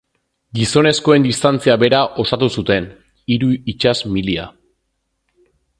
Gizonezkoen distantzia bera osatu zuten, hiru itsas milia.